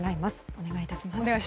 お願いいたします。